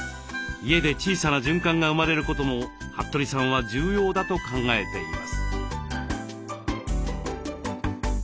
家で小さな循環が生まれることも服部さんは重要だと考えています。